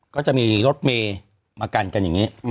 ก็จะมีรถเมย์มากันกันอย่างนี้